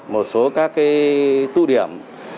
một số các cái tụ điểm